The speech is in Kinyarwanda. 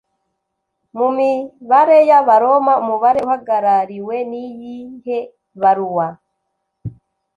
Mu mibare y'Abaroma Umubare Uhagarariwe niyihe baruwa